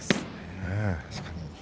確かに。